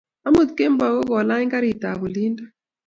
amut kemboi ko ka lany karit ab olindo